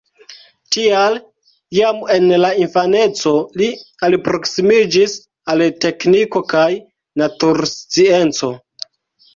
Tial jam en la infaneco li alproksimiĝis al tekniko kaj naturscienco.